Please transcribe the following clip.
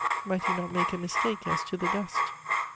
Might he not make a mistake as to the dust?